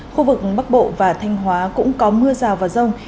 khu vực bắc bộ và thanh hóa cũng có mưa rào và rông